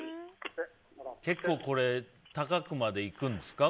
結構これ高くまでいくんですか？